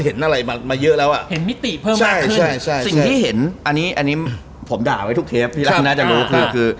เค้ามีคำเลือกอะไรซักอย่างนะมันคล้ายกับที่